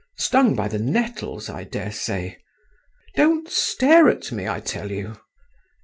stung by the nettles, I daresay? Don't stare at me, I tell you….